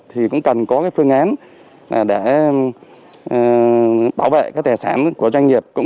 thì nguy cơ lây lan dịch tễ là rất lớn